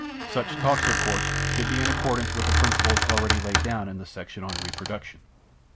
Such talks, of course, should be in accordance with the principles already laid down in the section on "Reproduction."